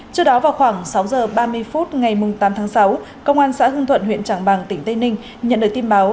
trước đó vào khoảng sáu h ba mươi phút ngày tám tháng sáu công an xã hương thuận huyện tràng bằng tỉnh tây ninh nhận được tin báo